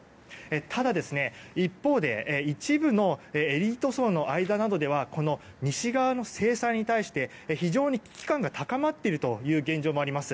ただ、一方で一部のエリート層の間などでは西側の制裁に対して非常に危機感が高まっているという現状もあります。